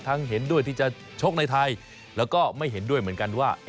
เห็นด้วยที่จะชกในไทยแล้วก็ไม่เห็นด้วยเหมือนกันว่า